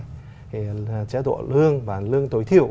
thì chế độ lương và lương tối thiểu